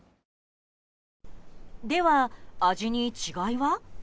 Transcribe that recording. では、味に違いは？